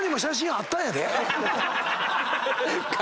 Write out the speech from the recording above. あったんや。